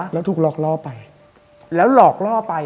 แล้วถูกหลอกล่อไป